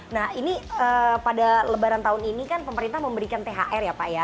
nah ini pada lebaran tahun ini kan pemerintah memberikan thr ya pak ya